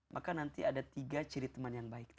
maka nanti ada tiga ciri teman yang baik